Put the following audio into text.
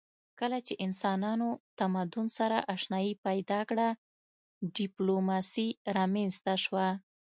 کله چې انسانانو تمدن سره آشنايي پیدا کړه ډیپلوماسي رامنځته شوه